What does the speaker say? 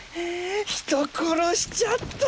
人殺しちゃった！